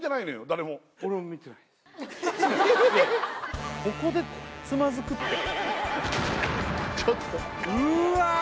誰もここでつまずくってちょっとうーわー！